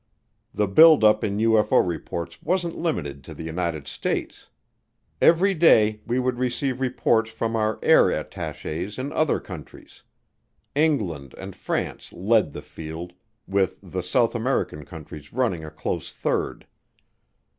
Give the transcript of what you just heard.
The build up in UFO reports wasn't limited to the United States every day we would receive reports from our air attaches in other countries. England and France led the field, with the South American countries running a close third.